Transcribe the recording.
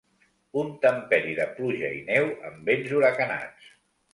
Un temperi de pluja i neu amb vents huracanats.